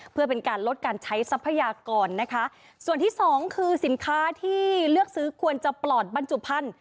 เพื่อเป็นการลดการใช้ทรัพยากรนะคะส่วนที่สองคือสินค้าที่เลือกซื้อควรจะปลอดบรรจุพันธุ